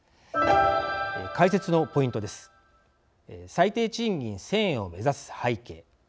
最低賃金１，０００円を目指す背景。